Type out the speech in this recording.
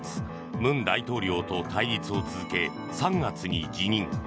文大統領と対立を続け３月に辞任。